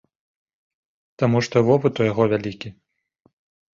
Таму што вопыт у яго вялікі.